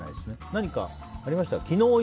何かありました？